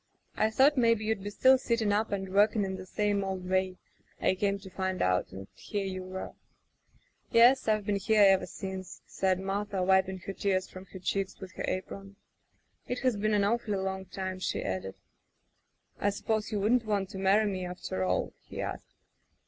I thought maybe you'd be still sitting up and working in the same old way — I came to find out — ^and here you were. ...'' Yes. Fve been here ever since,'* said Martha, wiping the tears from her cheeks with her apron. "It has been an awfully long time,*' she added. "I suppose you wouldn't want to marry me — rafter all ?" he asked.